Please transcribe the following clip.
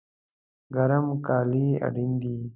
ګرم کالی اړین دي